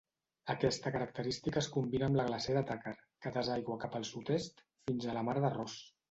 Aquesta característica es combina amb la glacera Tucker, que desaigua cap al sud-est fins a la mar de Ross.